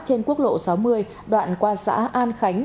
trên quốc lộ sáu mươi đoạn qua xã an khánh